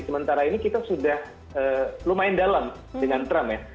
sementara ini kita sudah lumayan dalam dengan trump ya